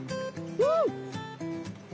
うん！